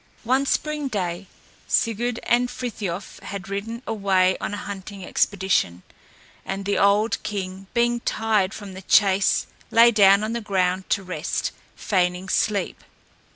One spring day Sigurd and Frithiof had ridden away on a hunting expedition, and the old king being tired from the chase lay down on the ground to rest, feigning sleep.